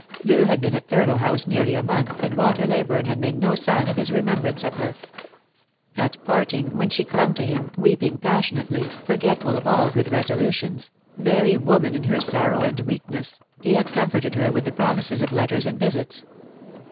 Loo had been at Thurlow House nearly a month, and Walter Leyburne had made no sign of his remembrance of her. At parting, when she clung to him, weeping passionately, forgetful of all good resolutions — very woman in her sorrow and weak ness — he had comforted her with promises of letters and visits.